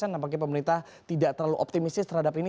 namun pemerintah tidak terlalu optimis terhadap ini